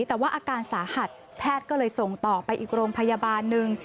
แต่ว่าอาการสาหัสแพทย์ก็เลยส่งต่อไปอีกโรงพยาบาลหนึ่ง